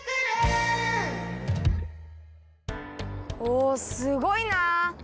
おすごいな！